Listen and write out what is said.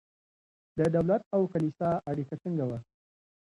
د دولت او کلیسا اړیکه څنګه وه؟